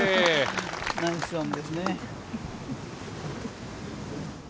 ナイスオンですね。